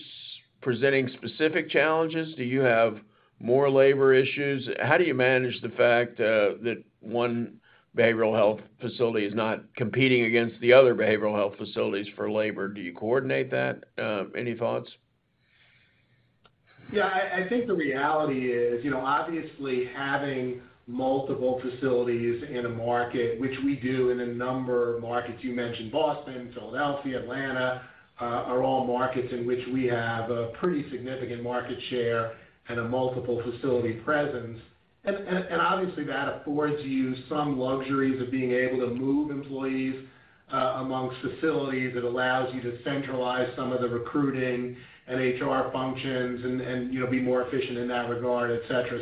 presenting specific challenges? Do you have more labor issues? How do you manage the fact that one behavioral health facility is not competing against the other behavioral health facilities for labor? Do you coordinate that? Any thoughts? Yeah, I think the reality is, you know, obviously having multiple facilities in a market, which we do in a number of markets. You mentioned Boston, Philadelphia, Atlanta, are all markets in which we have a pretty significant market share and a multiple facility presence. Obviously that affords you some luxuries of being able to move employees amongst facilities. It allows you to centralize some of the recruiting and HR functions and, you know, be more efficient in that regard, et cetera.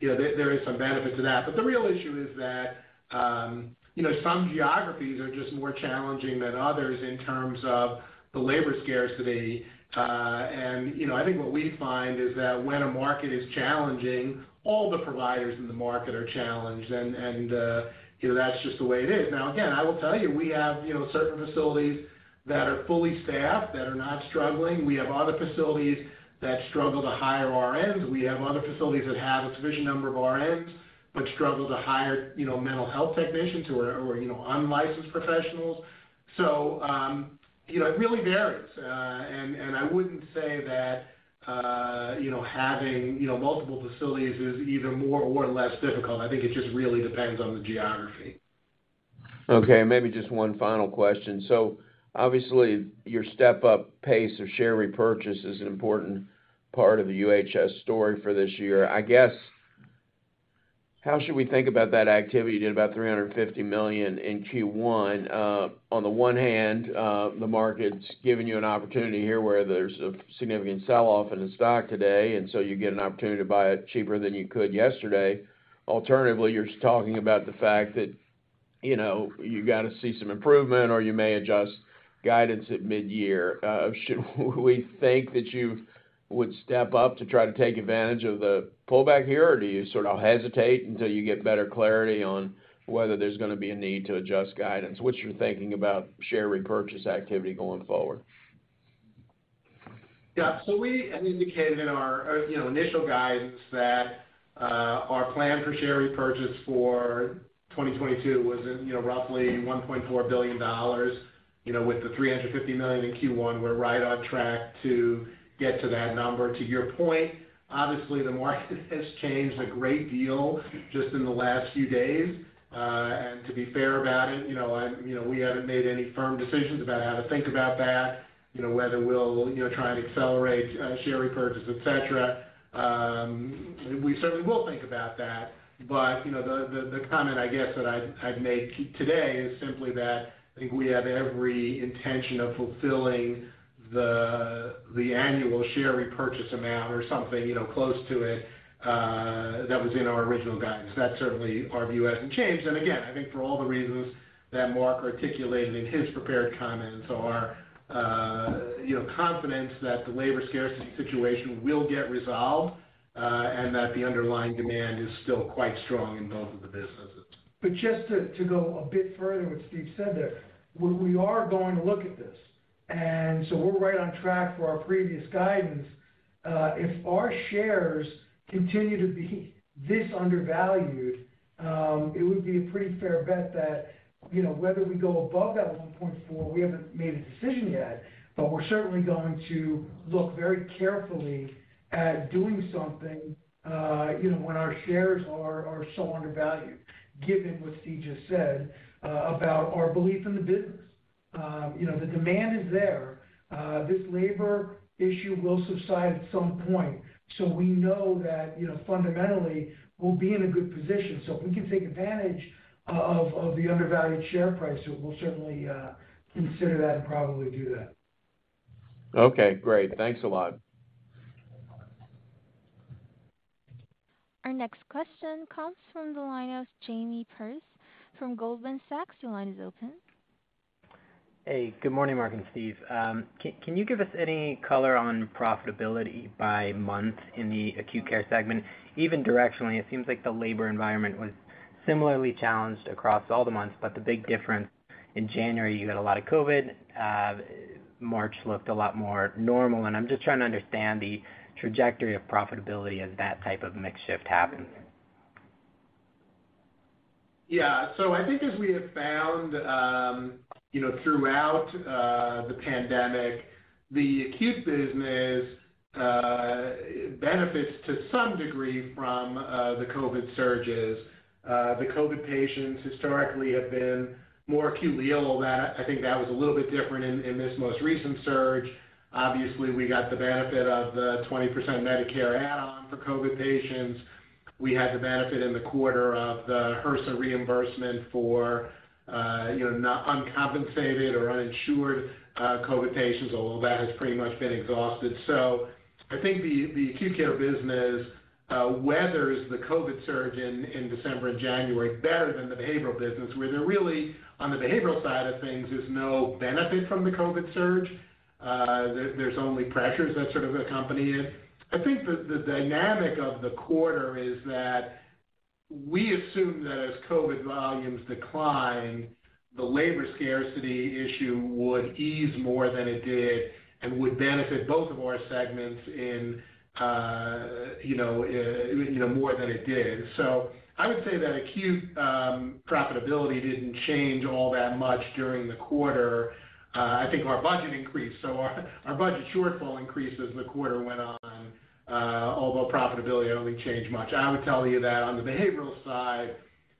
You know, there is some benefit to that. The real issue is that, you know, some geographies are just more challenging than others in terms of the labor scarcity. You know, I think what we find is that when a market is challenging, all the providers in the market are challenged. You know, that's just the way it is. Now, again, I will tell you, we have, you know, certain facilities that are fully staffed that are not struggling. We have other facilities that struggle to hire RNs. We have other facilities that have a sufficient number of RNs but struggle to hire, you know, mental health technicians who are, you know, unlicensed professionals. You know, it really varies. I wouldn't say that, you know, having, you know, multiple facilities is even more or less difficult. I think it just really depends on the geography. Okay, maybe just one final question. Obviously, your step-up pace of share repurchase is an important part of the UHS story for this year. I guess, how should we think about that activity? You did about $350 million in Q1. On the one hand, the market's giving you an opportunity here where there's a significant sell-off in the stock today, and so you get an opportunity to buy it cheaper than you could yesterday. Alternatively, you're talking about the fact that, you know, you've gotta see some improvement or you may adjust guidance at mid-year. Should we think that you would step up to try to take advantage of the pullback here, or do you sort of hesitate until you get better clarity on whether there's gonna be a need to adjust guidance? What's your thinking about share repurchase activity going forward? Yeah. We indicated in our, you know, initial guidance that, our plan for share repurchase for 2022 was, you know, roughly $1.4 billion. You know, with the $350 million in Q1, we're right on track to get to that number. To your point, obviously, the market has changed a great deal just in the last few days. To be fair about it, you know, we haven't made any firm decisions about how to think about that. You know, whether we'll, you know, try and accelerate, share repurchase, et cetera. We certainly will think about that. You know, the comment I guess that I'd make today is simply that I think we have every intention of fulfilling the annual share repurchase amount or something, you know, close to it, that was in our original guidance. That certainly our view hasn't changed. Again, I think for all the reasons that Marc articulated in his prepared comments or, you know, confidence that the labor scarcity situation will get resolved, and that the underlying demand is still quite strong in both of the businesses. Just to go a bit further what Steve said there, we are going to look at this. We're right on track for our previous guidance. If our shares continue to be this undervalued, it would be a pretty fair bet that, you know, whether we go above that 1.4, we haven't made a decision yet, but we're certainly going to look very carefully at doing something. You know, when our shares are so undervalued, given what Steve just said, about our belief in the business. You know, the demand is there. This labor issue will subside at some point. We know that, you know, fundamentally, we'll be in a good position. If we can take advantage of the undervalued share price, we'll certainly consider that and probably do that. Okay, great. Thanks a lot. Our next question comes from the line of Jamie Perse from Goldman Sachs. Your line is open. Hey, good morning, Marc and Steve. Can you give us any color on profitability by month in the acute care segment? Even directionally, it seems like the labor environment was similarly challenged across all the months, but the big difference in January, you had a lot of COVID. March looked a lot more normal, and I'm just trying to understand the trajectory of profitability as that type of mix shift happens. Yeah. I think as we have found, you know, throughout the pandemic, the acute business benefits to some degree from the COVID surges. The COVID patients historically have been more acutely ill. I think that was a little bit different in this most recent surge. Obviously, we got the benefit of the 20% Medicare add-on for COVID patients. We had the benefit in the quarter of the HRSA reimbursement for, you know, uncompensated or uninsured COVID patients, although that has pretty much been exhausted. I think the acute care business weathers the COVID surge in December and January better than the behavioral business, where there really, on the behavioral side of things, there's no benefit from the COVID surge. There's only pressures that sort of accompany it. I think the dynamic of the quarter is that we assume that as COVID volumes decline, the labor scarcity issue would ease more than it did and would benefit both of our segments in, you know, more than it did. I would say that acute profitability didn't change all that much during the quarter. I think our budget increased, so our budget shortfall increased as the quarter went on, although profitability only changed much. I would tell you that on the behavioral side,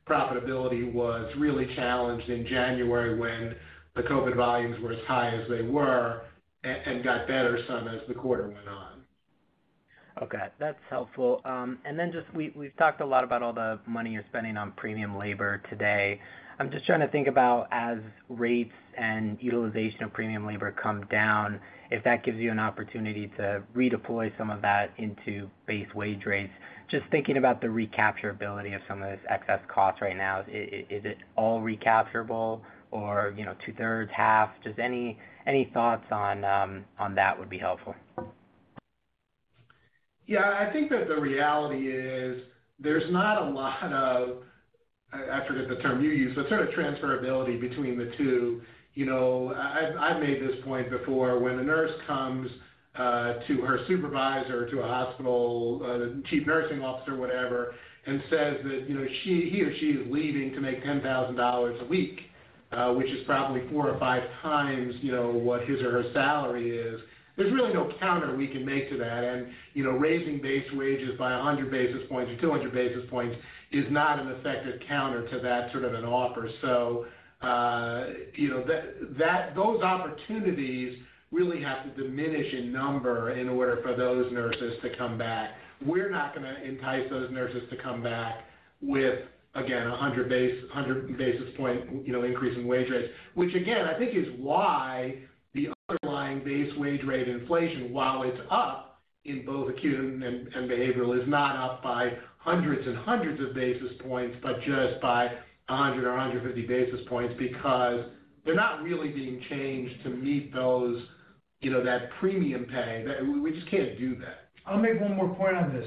profitability was really challenged in January when the COVID volumes were as high as they were and got better some as the quarter went on. Okay. That's helpful. We've talked a lot about all the money you're spending on premium labor today. I'm just trying to think about as rates and utilization of premium labor come down, if that gives you an opportunity to redeploy some of that into base wage rates. Just thinking about the recapture ability of some of this excess costs right now, is it all recapturable or, you know, two-thirds, half? Just any thoughts on that would be helpful. Yeah. I think that the reality is there's not a lot of. I forget the term you used, but sort of transferability between the two. You know, I made this point before. When a nurse comes to her supervisor, to a hospital chief nursing officer, whatever, and says that, you know, he or she is leaving to make $10,000 a week, which is probably four or five times. You know, what his or her salary is, there's really no counter we can make to that. You know, raising base wages by 100 basis points or 200 basis points is not an effective counter to that sort of an offer. You know, that those opportunities really have to diminish in number in order for those nurses to come back. We're not gonna entice those nurses to come back with, again, 100 basis points, you know, increase in wage rates. Which again, I think is why the underlying base wage rate inflation, while it's up in both acute and behavioral, is not up by hundreds and hundreds of basis points, but just by 100 or 150 basis points because they're not really being changed to meet those, you know, that premium pay. We just can't do that. I'll make one more point on this.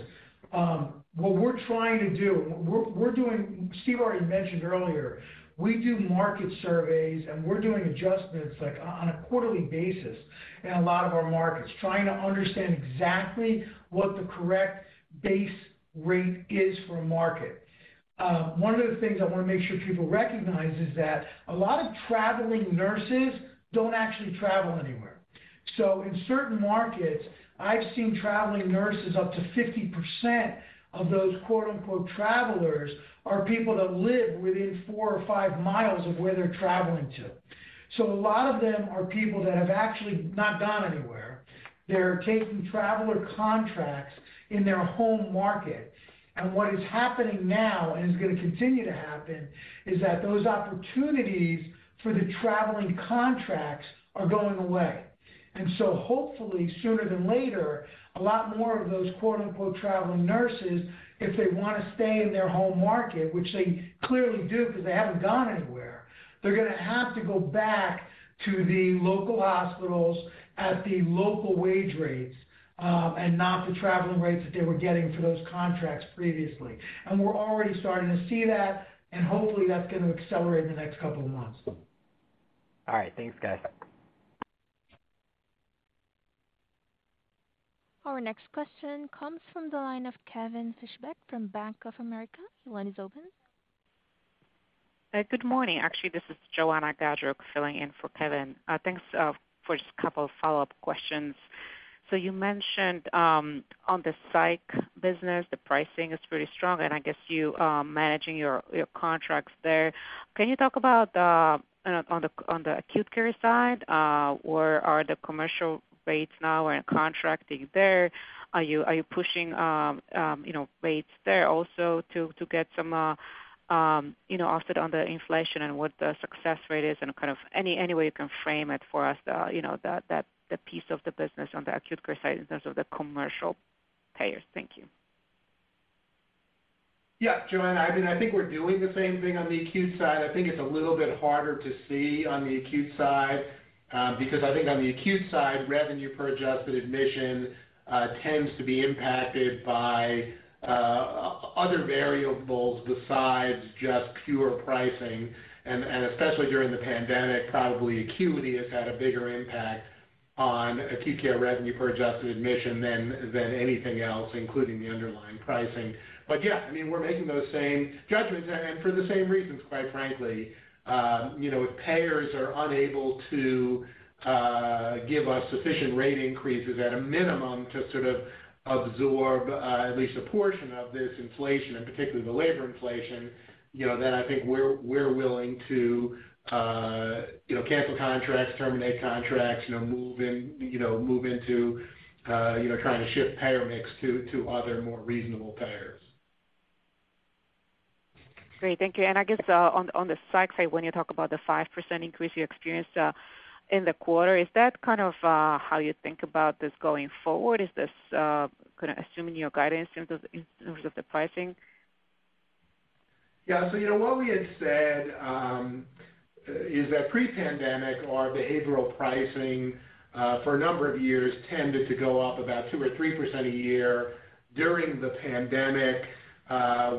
What we're trying to do, we're doing. Steve already mentioned earlier, we do market surveys, and we're doing adjustments, like, on a quarterly basis in a lot of our markets, trying to understand exactly what the correct base rate is for a market. One of the things I wanna make sure people recognize is that a lot of traveling nurses don't actually travel anywhere. In certain markets, I've seen traveling nurses, up to 50% of those quote-unquote travelers are people that live within four or five miles of where they're traveling to. A lot of them are people that have actually not gone anywhere. They're taking traveler contracts in their home market. What is happening now and is gonna continue to happen is that those opportunities for the traveling contracts are going away. Hopefully sooner than later, a lot more of those quote-unquote traveling nurses, if they wanna stay in their home market, which they clearly do 'cause they haven't gone anywhere, they're gonna have to go back to the local hospitals at the local wage rates, and not the traveling rates that they were getting for those contracts previously. We're already starting to see that, and hopefully that's gonna accelerate in the next couple of months. All right. Thanks, guys. Our next question comes from the line of Kevin Fischbeck from Bank of America. Your line is open. Good morning. Actually, this is Joanna Gajuk filling in for Kevin. Thanks for just a couple of follow-up questions. You mentioned on the psych business, the pricing is pretty strong, and I guess you're managing your contracts there. Can you talk about on the acute care side, where are the commercial rates now and contracting there? Are you pushing you know rates there also to get some you know offset on the inflation and what the success rate is? Kind of any way you can frame it for us, you know the piece of the business on the acute care side in terms of the commercial payers. Thank you. Yeah. Joanna, I mean, I think we're doing the same thing on the acute side. I think it's a little bit harder to see on the acute side, because I think on the acute side, revenue per adjusted admission tends to be impacted by other variables besides just pure pricing. Especially during the pandemic, probably acuity has had a bigger impact on acute care revenue per adjusted admission than anything else, including the underlying pricing. Yeah, I mean, we're making those same judgments and for the same reasons, quite frankly. You know, if payers are unable to give us sufficient rate increases at a minimum to sort of absorb at least a portion of this inflation and particularly the labor inflation, you know, then I think we're willing to you know, cancel contracts, terminate contracts, you know, move into you know, trying to shift payer mix to other more reasonable payers. Great. Thank you. I guess on the psych side, when you talk about the 5% increase you experienced in the quarter, is that kind of how you think about this going forward? Is this kinda assuming your guidance in terms of the pricing? Yeah. You know, what we had said is that pre-pandemic, our behavioral pricing for a number of years tended to go up about 2% or 3% a year. During the pandemic,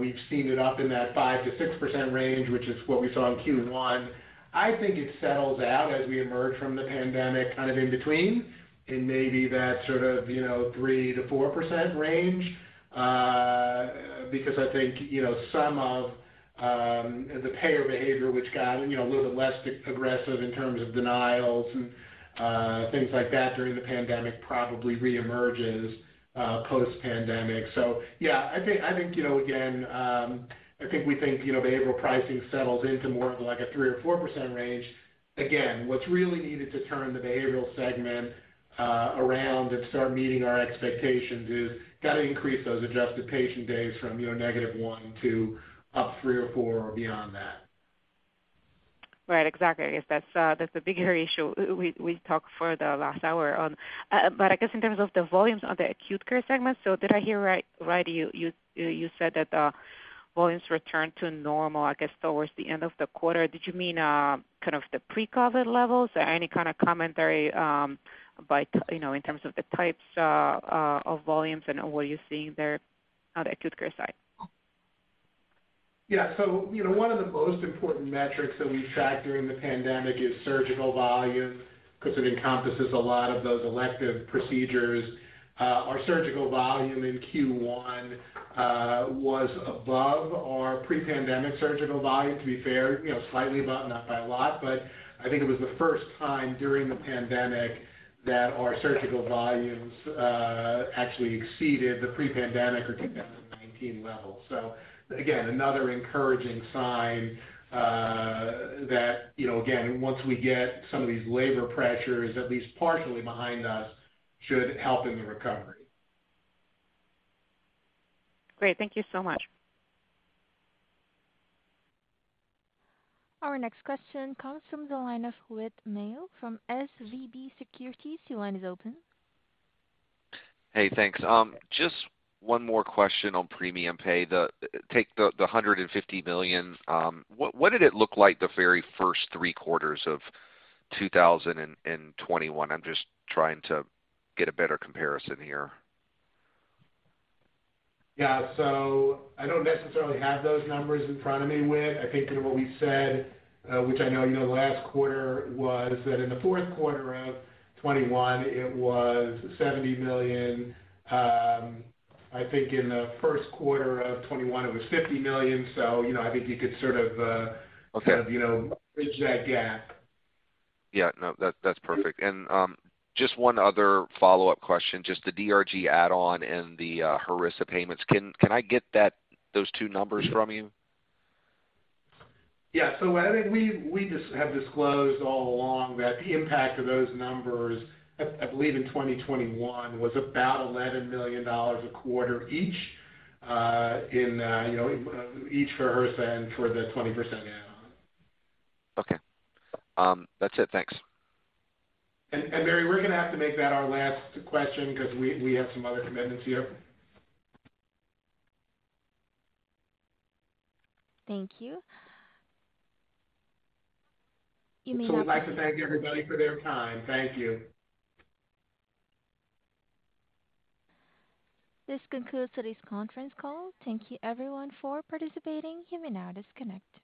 we've seen it up in that 5%-6% range, which is what we saw in Q1. I think it settles out as we emerge from the pandemic kind of in between in maybe that sort of, you know, 3%-4% range. Because I think, you know, some of the payer behavior which got, you know, a little bit less aggressive in terms of denials and things like that during the pandemic probably reemerges post-pandemic. Yeah, I think, you know, again, I think we think, you know, behavioral pricing settles into more of like a 3% or 4% range. Again, what's really needed to turn the behavioral segment around and start meeting our expectations is gotta increase those adjusted patient days from, you know, -1 to +3 or 4 or beyond that. Right. Exactly. I guess that's the bigger issue we talked for the last hour on. I guess in terms of the volumes on the acute care segment, did I hear right, you said that, volumes returned to normal, I guess, towards the end of the quarter. Did you mean, kind of the pre-COVID levels? Any kind of commentary, by, you know, in terms of the types, of volumes and what you're seeing there on the acute care side? Yeah. You know, one of the most important metrics that we tracked during the pandemic is surgical volume because it encompasses a lot of those elective procedures. Our surgical volume in Q1 was above our pre-pandemic surgical volume, to be fair. You know, slightly above, not by a lot. I think it was the first time during the pandemic that our surgical volumes actually exceeded the pre-pandemic or 2019 levels. Again, another encouraging sign that, you know, again, once we get some of these labor pressures at least partially behind us should help in the recovery. Great. Thank you so much. Our next question comes from the line of Whit Mayo from SVB Securities. Your line is open. Hey, thanks. Just one more question on premium pay. Take the $150 million. What did it look like the very first three quarters of 2021? I'm just trying to get a better comparison here. I don't necessarily have those numbers in front of me, Whit. I think, you know, what we said, which I know, you know, last quarter was that in the fourth quarter of 2021, it was $70 million. I think in the first quarter of 2021 it was $50 million. You know, I think you could sort of, Okay. You know, bridge that gap. Yeah, no, that's perfect. Just one other follow-up question. Just the DRG add-on and the HRSA payments. Can I get those two numbers from you? Yeah. I think we just have disclosed all along that the impact of those numbers, I believe in 2021 was about $11 million a quarter each for HRSA and for the 20% add-on. Okay. That's it. Thanks. Barry, we're gonna have to make that our last question because we have some other commitments here. Thank you. You may now. We'd like to thank everybody for their time. Thank you. This concludes today's conference call. Thank you everyone for participating. You may now disconnect.